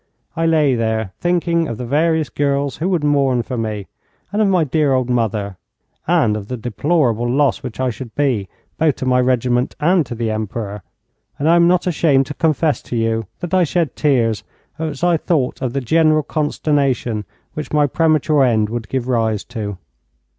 I lay there thinking of the various girls who would mourn for me, and of my dear old mother, and of the deplorable loss which I should be, both to my regiment and to the Emperor, and I am not ashamed to confess to you that I shed tears as I thought of the general consternation which my premature end would give rise to.